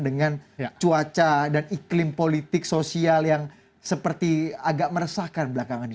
dengan cuaca dan iklim politik sosial yang seperti agak meresahkan belakangan ini